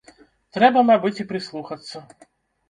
Трэба, мабыць, і прыслухацца.